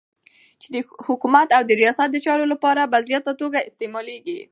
چی د حکومت او د ریاست دچارو لپاره په زیاته توګه استعمالیږی